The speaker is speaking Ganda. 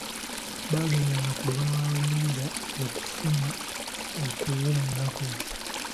Baagendanga ku lubalama lw'ennyanja okufuna okuwumulako.